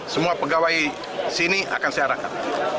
semua pegawai sini akan saya arahkan